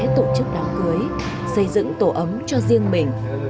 tổ chức đám cưới xây dựng tổ ấm cho riêng mình